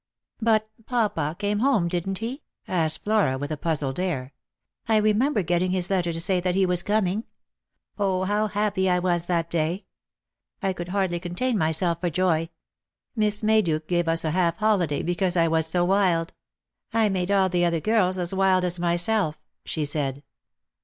"But papa came home, didn't he?" asked Flora with a puzzled air. " I remember getting his letter to say that he was coming. 0, how happy I was that day ! I could hardly con tain myself for joy. Miss Mayduke gave us a half holiday because I was so wild. I made all the other girls as wild as myself," she said.